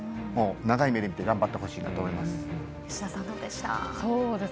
長い目で見て頑張ってほしいなと思います。